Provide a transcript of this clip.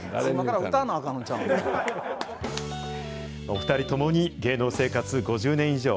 お２人ともに芸能生活５０年以上。